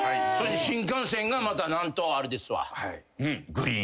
新幹線がまた何とあれですわ。